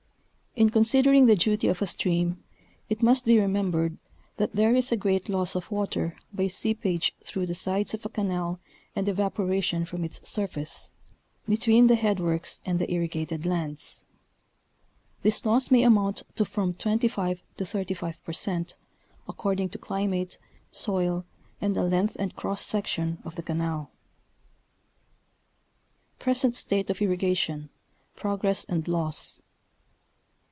224 National Geographic Magazine. In considering the duty of a stream it must be remembered that there is a great loss of water by seepage through the sides of a canal and evaporation from its surface, between the headworks and the irrigated lands, this loss may amount to from 25 to 35 per cent., according to climate, soil, and the length and cross section of the canal. PRESENT STATE OF [RRIGATION—PROGRESS AND LAWS.